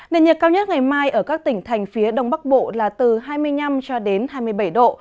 nền nhiệt cao nhất ngày mai ở các tỉnh thành phía đông bắc bộ là từ hai mươi năm cho đến hai mươi bảy độ